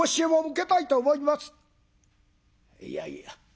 「いやいや。